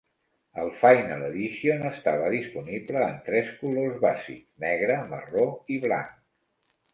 El "Final Edition" estava disponible en tres colors bàsics: negre, marró i blanc.